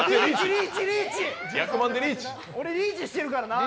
俺、リーチしてるからな。